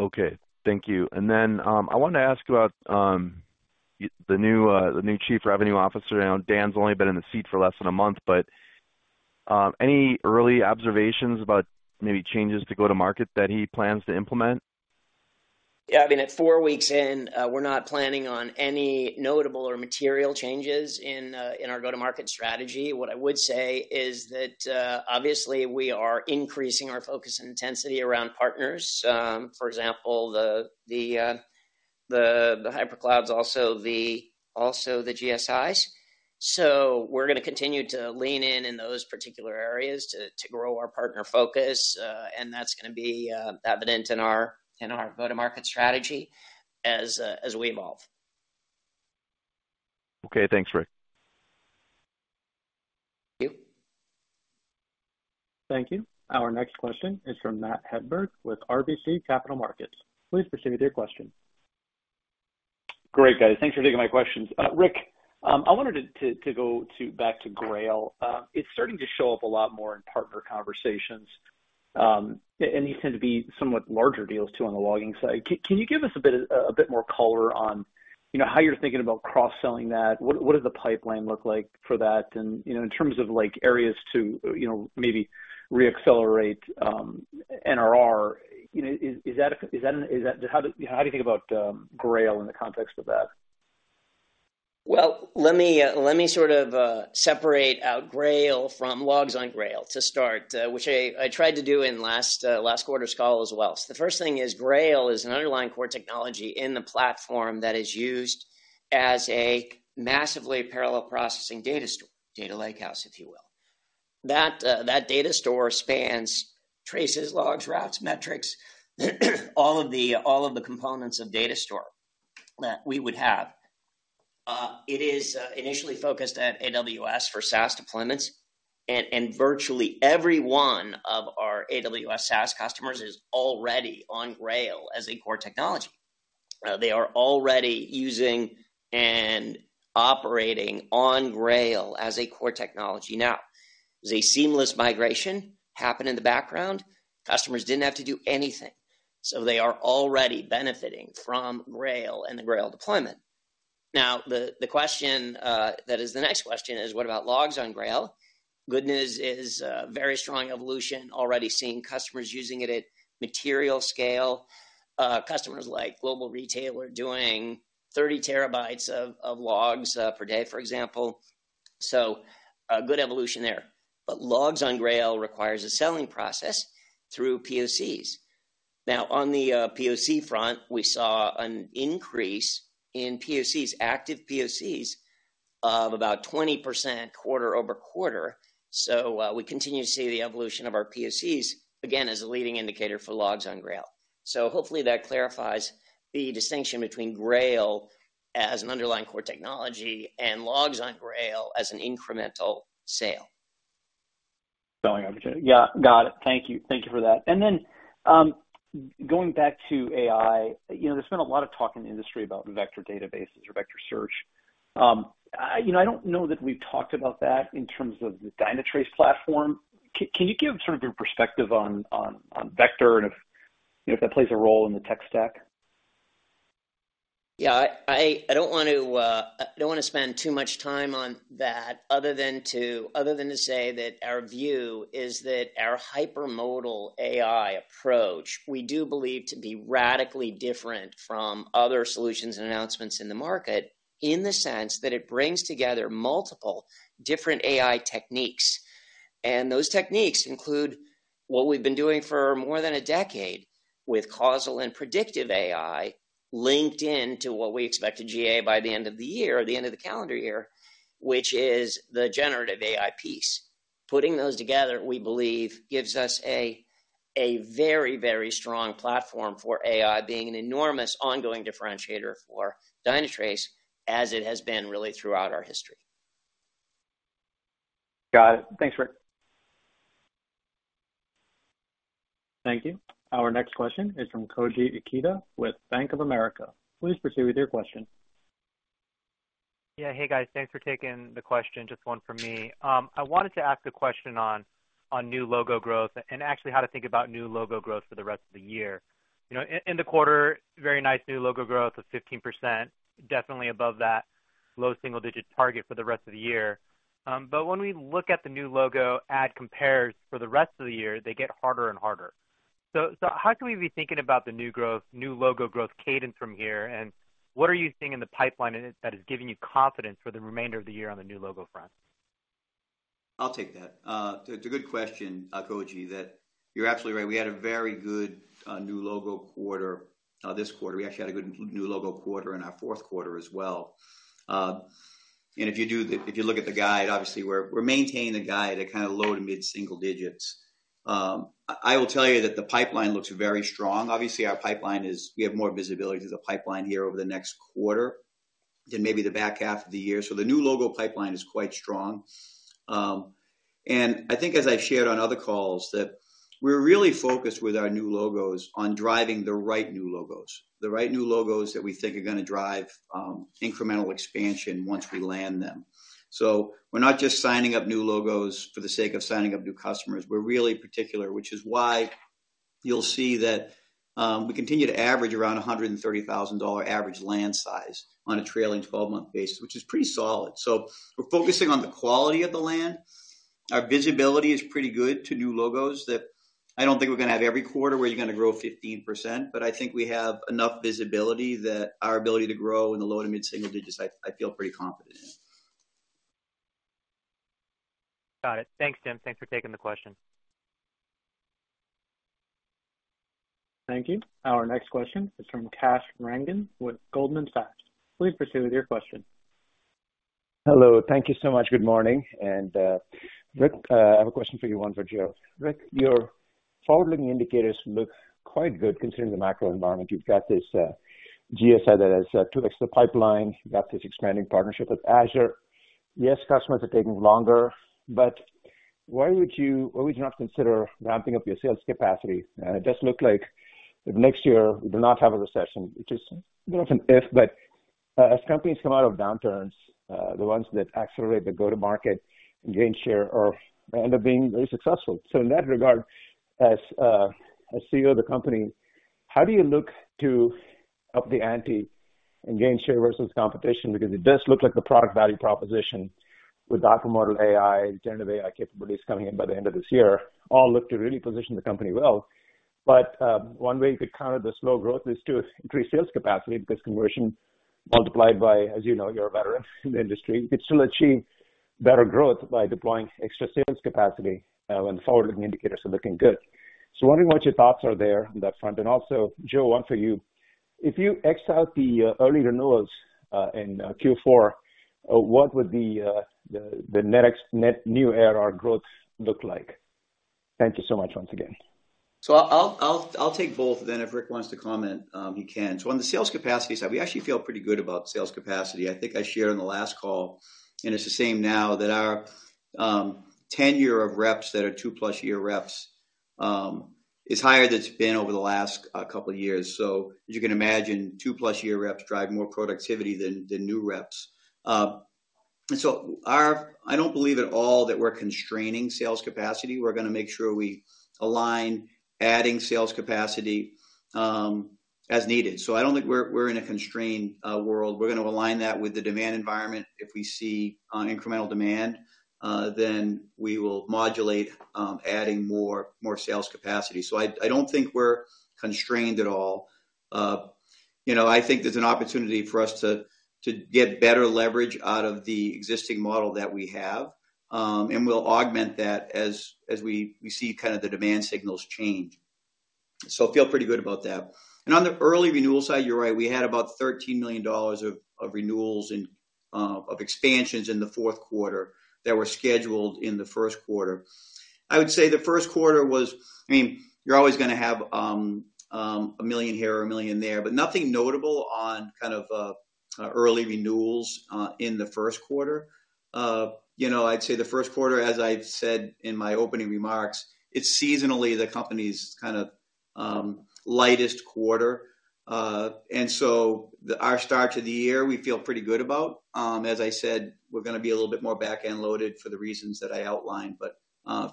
Okay, thank you. I wanted to ask you about the new Chief Revenue Officer. I know Dan's only been in the seat for less than a month, but any early observations about maybe changes to go-to-market that he plans to implement? Yeah, I mean, at four weeks in, we're not planning on any notable or material changes in our go-to-market strategy. What I would say is that, obviously, we are increasing our focus and intensity around partners. For example, the hyperclouds, also the, also the GSIs. We're gonna continue to lean in in those particular areas to, to grow our partner focus, and that's gonna be, evident in our go-to-market strategy as we evolve. Okay. Thanks, Rick. Thank you. Thank you. Our next question is from Matthew Hedberg, with RBC Capital Markets. Please proceed with your question. Great, guys. Thanks for taking my questions. Rick, I wanted to go to-- back to Grail. It's starting to show up a lot more in partner conversations, and these tend to be somewhat larger deals too, on the logging side. Can, can you give us a bit, a bit more color on, you know, how you're thinking about cross-selling that? What, what does the pipeline look like for that? You know, in terms of, like, areas to, you know, maybe reaccelerate, NRR, you know, is that a how do you, how do you think about, Grail in the context of that? Well, let me sort of, separate out Grail from Logs on Grail to start, which I tried to do in last quarter's call as well. The first thing is, Grail is an underlying core technology in the platform that is used as a massively parallel processing data store, data lakehouse, if you will. That, data store spans, traces, logs, routes, metrics, all of the, all of the components of data store that we would have. It is, initially focused at AWS for SaaS deployments, and, and virtually every one of our AWS SaaS customers is already on Grail as a core technology. They are already using and operating on Grail as a core technology. It was a seamless migration, happened in the background. Customers didn't have to do anything, they are already benefiting from Grail and the Grail deployment. The question that is the next question is: what about Logs on Grail? Good news is, very strong evolution. Already seeing customers using it at material scale. Customers like global retailer doing 30TB of logs per day, for example. A good evolution there. Logs on Grail requires a selling process through POCs. On the POC front, we saw an increase in POCs, active POCs of about 20% quarter-over-quarter. We continue to see the evolution of our POCs, again, as a leading indicator for Logs on Grail. Hopefully that clarifies the distinction between Grail as an underlying core technology and Logs on Grail as an incremental sale. Selling opportunity. Yeah, got it. Thank you. Thank you for that. Then, going back to AI, you know, there's been a lot of talk in the industry about vector databases or vector search. I, you know, I don't know that we've talked about that in terms of the Dynatrace platform. Can you give sort of your perspective on vector and if, you know, if that plays a role in the tech stack? Yeah, I, I don't want to, I don't want to spend too much time on that other than to, other than to say that our view is that our hypermodal AI approach, we do believe to be radically different from other solutions and announcements in the market, in the sense that it brings together multiple different AI techniques. Those techniques include what we've been doing for more than a decade with causal and predictive AI, linked in to what we expect to GA by the end of the year, or the end of the calendar year, which is the generative AI piece. Putting those together, we believe, gives us a, a very, very strong platform for AI, being an enormous ongoing differentiator for Dynatrace as it has been really throughout our history. Got it. Thanks, Rick. Thank you. Our next question is from Koji Ikeda with Bank of America. Please proceed with your question. Yeah. Hey, guys, thanks for taking the question. Just one from me. I wanted to ask a question on, on new logo growth and actually how to think about new logo growth for the rest of the year. You know, in the quarter, very nice new logo growth of 15%, definitely above that low single-digit target for the rest of the year. When we look at the new logo ad compares for the rest of the year, they get harder and harder. How can we be thinking about the new growth, new logo growth cadence from here? What are you seeing in the pipeline that is giving you confidence for the remainder of the year on the new logo front? I'll take that. It's a good question, Koji, that you're absolutely right. We had a very good new logo quarter this quarter. We actually had a good new logo quarter in our Q4 as well. If you look at the guide, obviously, we're, we're maintaining the guide at kind of low to mid single digits. I will tell you that the pipeline looks very strong. Obviously, our pipeline, we have more visibility to the pipeline here over the next quarter than maybe the back half of the year. The new logo pipeline is quite strong. I think as I've shared on other calls, that we're really focused with our new logos on driving the right new logos, the right new logos that we think are gonna drive incremental expansion once we land them. We're not just signing up new logos for the sake of signing up new customers. We're really particular, which is why you'll see that we continue to average around a $130,000 average land size on a trailing 12-month basis, which is pretty solid. We're focusing on the quality of the land. Our visibility is pretty good to new logos that I don't think we're gonna have every quarter, where you're gonna grow 15%, but I think we have enough visibility that our ability to grow in the low to mid single digits, I feel pretty confident in. Got it. Thanks, Jim. Thanks for taking the question. Thank you. Our next question is from Kash Rangan with Goldman Sachs. Please proceed with your question. Hello, thank you so much. Good morning. Rick, I have a question for you, one for Jim. Rick, your forward-looking indicators look quite good considering the macro environment. You've got this GSI that has 2x the pipeline. You've got this expanding partnership with Azure. Yes, customers are taking longer, but why would you not consider ramping up your sales capacity? It does look like if next year we do not have a recession, which is not an if, but as companies come out of downturns, the ones that accelerate the go-to-market and gain share or end up being very successful. In that regard, as CEO of the company, how do you look to up the ante and gain share versus competition? It does look like the product value proposition with hypermodal AI, generative AI capabilities coming in by the end of this year, all look to really position the company well. One way you could counter the slow growth is to increase sales capacity, because conversion multiplied by, as you know, you're a veteran in the industry, you could still achieve better growth by deploying extra sales capacity, when the forward-looking indicators are looking good. Wondering what your thoughts are there on that front. Also, Jim, one for you: If you X out the early renewals in Q4, what would the net new ARR growth look like? Thank you so much once again. I'll, take both, then if Rick wants to comment, he can. On the sales capacity side, we actually feel pretty good about sales capacity. I think I shared on the last call, and it's the same now, that our tenure of reps that are two-plus year reps is higher than it's been over the last couple of years. As you can imagine, two-plus year reps drive more productivity than new reps. I don't believe at all that we're constraining sales capacity. We're gonna make sure we align, adding sales capacity, as needed. I don't think we're, we're in a constrained world. We're gonna align that with the demand environment. If we see incremental demand, then we will modulate, adding more, more sales capacity. I don't think we're constrained at all. You know, I think there's an opportunity for us to get better leverage out of the existing model that we have, and we'll augment that as we see kind of the demand signals change. I feel pretty good about that. On the early renewal side, you're right, we had about $13 million of renewals and of expansions in the Q4 that were scheduled in the Q1. I would say the first quarter was, I mean, you're always gonna have $1 million here or $1 million there, but nothing notable on kind of early renewals in the Q1. You know, I'd say the Q1, as I said in my opening remarks, it's seasonally the company's kind of lightest quarter. So the, our start to the year, we feel pretty good about. As I said, we're gonna be a little bit more back-end loaded for the reasons that I outlined,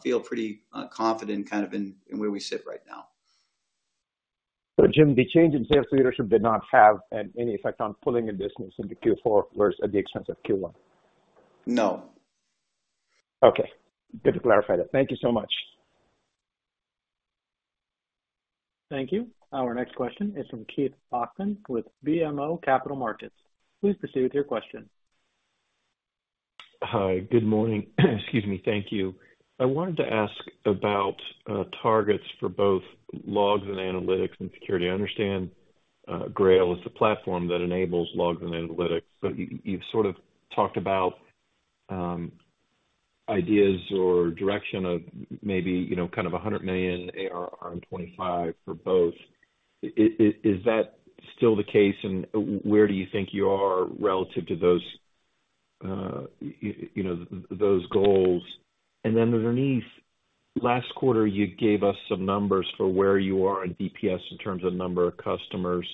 feel pretty confident kind of in where we sit right now. Jim, the change in sales leadership did not have any effect on pulling the business into Q4 versus at the expense of Q1? No. Okay, good to clarify that. Thank you so much. Thank you. Our next question is from Keith Bachman with BMO Capital Markets. Please proceed with your question. Hi, good morning. Excuse me. Thank you. I wanted to ask about targets for both logs and analytics and security. I understand Grail is the platform that enables logs and analytics, but you, you've sort of talked about ideas or direction of maybe, you know, kind of $100 million ARR in 25 for both. Is that still the case? Where do you think you are relative to those, you know, those goals? Underneath, last quarter, you gave us some numbers for where you are in DPS in terms of number of customers.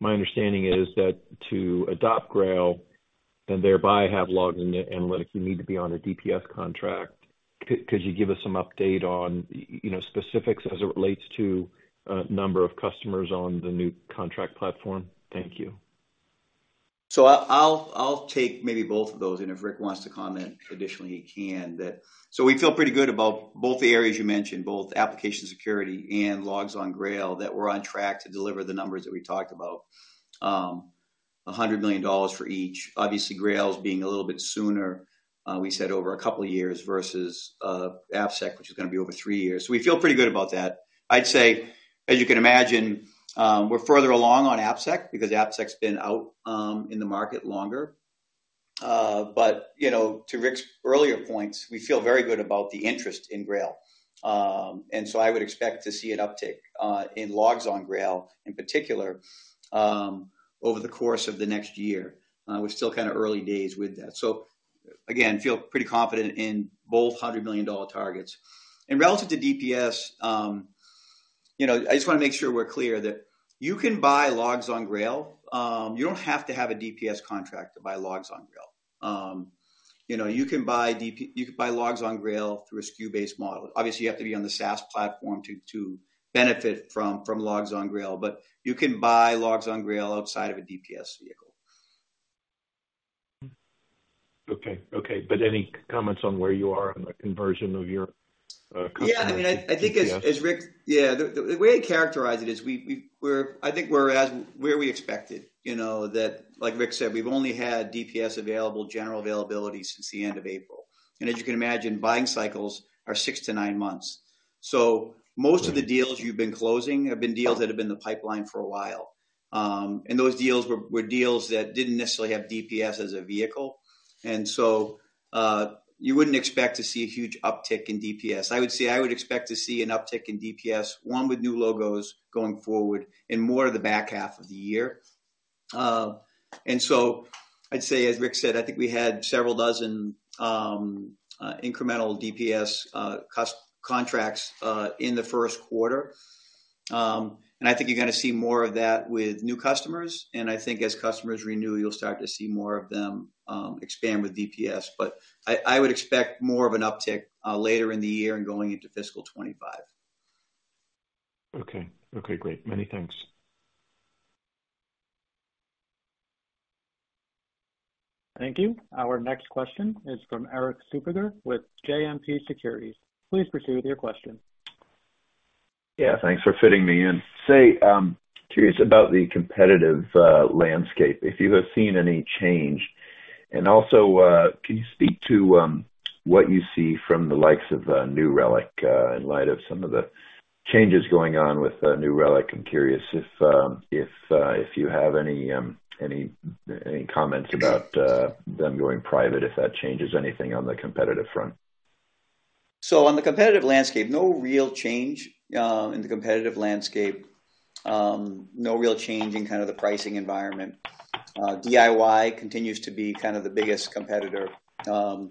My understanding is that to adopt Grail and thereby have logging analytics, you need to be on a DPS contract. Could you give us some update on, you know, specifics as it relates to number of customers on the new contract platform? Thank you. I'll take maybe both of those, and if Rick wants to comment additionally, he can. We feel pretty good about both the areas you mentioned, both Application Security and Logs on Grail, that we're on track to deliver the numbers that we talked about. $100 million for each. Obviously, Grail's being a little bit sooner, we said over a couple of years versus, AppSec, which is gonna be over three years. We feel pretty good about that. I'd say, as you can imagine, we're further along on AppSec because AppSec's been out, in the market longer. You know, to Rick's earlier points, we feel very good about the interest in Grail. I would expect to see an uptick, in Logs on Grail, in particular, over the course of the next year. We're still kind of early days with that. Again, feel pretty confident in both $100 million targets. Relative to DPS, you know, I just want to make sure we're clear that you can buy Logs on Grail, you don't have to have a DPS contract to buy logs on Grail. You know, you can buy Logs on Grail through a SKU-based model. Obviously, you have to be on the SaaS platform to, to benefit from, from Logs on Grail, but you can buy Logs on Grail outside of a DPS vehicle. Okay. Okay, any comments on where you are on the conversion of your customer to DPS? Yeah, I mean, I think as Rick. Yeah, the way I characterize it is we've I think we're as where we expected, you know, that, like Rick said, we've only had DPS available, general availability since the end of April. As you can imagine, buying cycles are six-nine months. Most of the deals you've been closing have been deals that have been in the pipeline for a while. And those deals were, were deals that didn't necessarily have DPS as a vehicle, and so you wouldn't expect to see a huge uptick in DPS. I would say I would expect to see an uptick in DPS, one, with new logos going forward and more in the back half of the year. And so I'd say, as Rick said, I think we had several dozen incremental DPS contracts in the Q1. And I think you're gonna see more of that with new customers, and I think as customers renew, you'll start to see more of them expand with DPS. I, I would expect more of an uptick later in the year and going into fiscal 2025. Okay. Okay, great. Many thanks. Thank you. Our next question is from Erik Suppiger with JMP Securities. Please proceed with your question. Yeah, thanks for fitting me in. Say, curious about the competitive landscape, if you have seen any change, and also, can you speak to what you see from the likes of New Relic in light of some of the changes going on with New Relic? I'm curious if you have any comments about them going private, if that changes anything on the competitive front. On the competitive landscape, no real change in the competitive landscape. No real change in kind of the pricing environment. DIY continues to be kind of the biggest competitor. You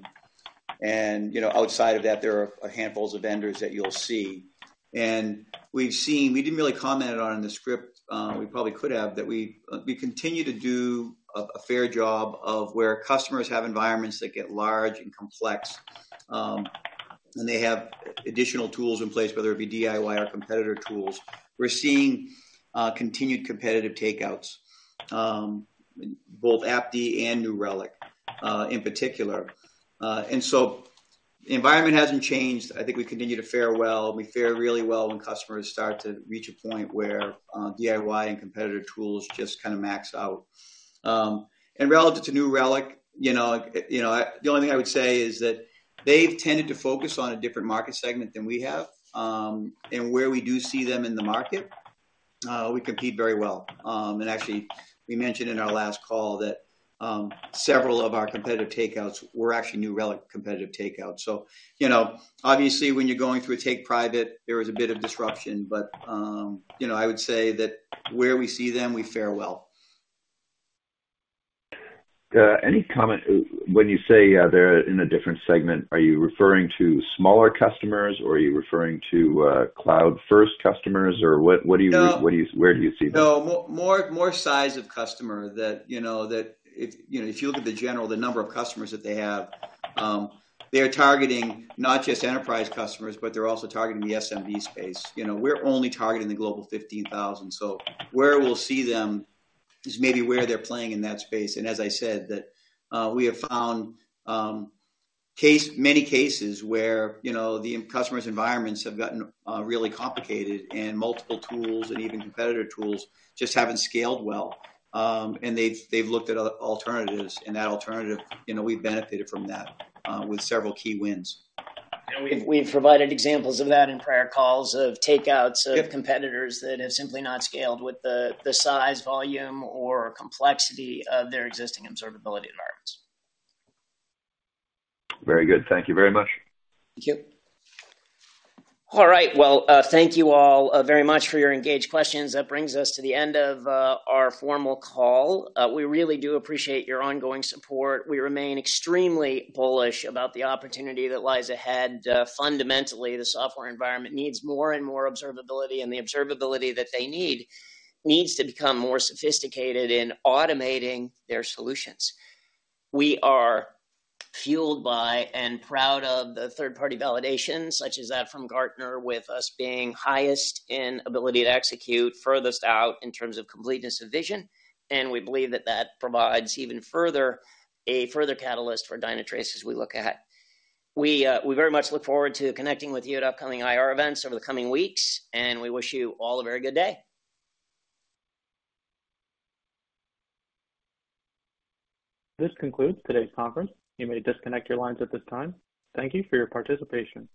know, outside of that, there are a handful of vendors that you'll see. We didn't really comment on it in the script, we probably could have, that we continue to do a fair job of where customers have environments that get large and complex, and they have additional tools in place, whether it be DIY or competitor tools. We're seeing continued competitive takeouts, both AppDynamics and New Relic in particular. The environment hasn't changed. I think we continue to fare well. We fare really well when customers start to reach a point where DIY and competitor tools just kind of max out. Relative to New Relic, you know, you know, the only thing I would say is that they've tended to focus on a different market segment than we have. Where we do see them in the market, we compete very well. Actually, we mentioned in our last call that several of our competitive takeouts were actually New Relic competitive takeouts. You know, obviously, when you're going through a take private, there is a bit of disruption, but, you know, I would say that where we see them, we fare well. Any comment, when you say, they're in a different segment, are you referring to smaller customers, or are you referring to, cloud-first customers? Or what, what do you? No. Where do you see them? No, more, more size of customer that, you know, that if, you know, if you look at the general, the number of customers that they have, they are targeting not just enterprise customers, but they're also targeting the SMB space. You know, we're only targeting the global 15,000. Where we'll see them is maybe where they're playing in that space. As I said, that, we have found, many cases where, you know, the customers' environments have gotten, really complicated, and multiple tools and even competitor tools just haven't scaled well. They've, they've looked at alternatives, and that alternative, you know, we've benefited from that, with several key wins. We've provided examples of that in prior calls of takeouts of competitors that have simply not scaled with the, the size, volume, or complexity of their existing observability environments. Very good. Thank you very much. Thank you. All right. Well, thank you all very much for your engaged questions. That brings us to the end of our formal call. We really do appreciate your ongoing support. We remain extremely bullish about the opportunity that lies ahead. Fundamentally, the software environment needs more and more observability, and the observability that they need, needs to become more sophisticated in automating their solutions. We are fueled by and proud of the third-party validation, such as that from Gartner, with us being highest in ability to execute, furthest out in terms of completeness of vision, and we believe that that provides even further, a further catalyst for Dynatrace as we look ahead. We very much look forward to connecting with you at upcoming IR events over the coming weeks, and we wish you all a very good day. This concludes today's conference. You may disconnect your lines at this time. Thank you for your participation.